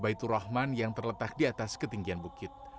masjid itu rahman yang terletak di atas ketinggian bukit